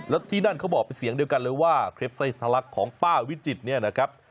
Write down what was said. แล้วที่นั่นเขาบอกเป็นเสียงเดียวกันเลยว่าคลิปไส้ทะลักของป้าวิจิตรเนี่ยนะครับ